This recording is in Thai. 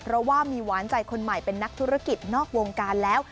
เพราะว่ามีหวานใจคนใหม่เป็นนักธุรกิจนอกวงการแล้ว